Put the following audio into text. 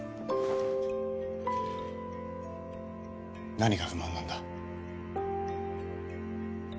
何が不満なんだ？